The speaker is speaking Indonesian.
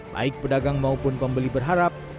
baik pedagang maupun pembeli berharap